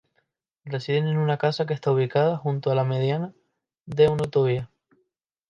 Residen en una casa que está ubicada justo en la mediana de una autovía.